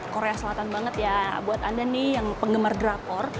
korea selatan banget ya buat anda nih yang penggemar drakor